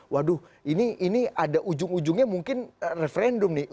waduh ini ada ujung ujungnya mungkin referendum nih